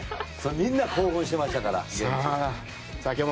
みんな興奮してましたから現地。